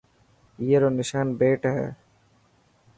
اي رو نشان بيٽ هي.